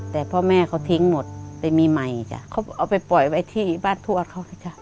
แต่พ่อแม่เขาทิ้งหมดไปมีใหม่จ้ะเขาเอาไปปล่อยไว้ที่บ้านทวดเขาสิจ๊ะ